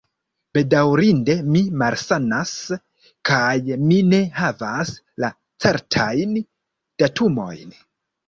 Bedaŭrinde mi malsanas, kaj mi ne havas la certajn datumojn.